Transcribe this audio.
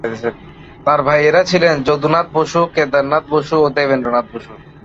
তাঁর ভাইয়েরা ছিলেন যদুনাথ বসু, কেদারনাথ বসু ও দেবেন্দ্রনাথ বসু।